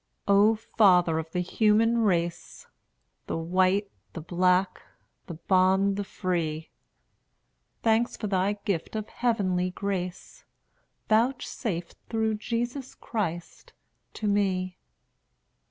O Father of the human race! The white, the black, the bond, the free, Thanks for thy gift of heavenly grace, Vouchsafed through Jesus Christ to me.